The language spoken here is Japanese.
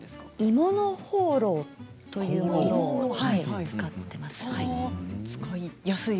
鋳物ホーローというものを使っています。